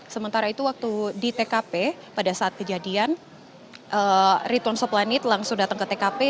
sementara itu waktu di tkp pada saat kejadian rituan soplanit langsung datang ke tkp